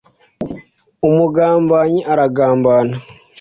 umugambanyi aragambana.